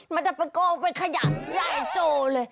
มันจะประโกงเป็นขยะใหญ่โจเลย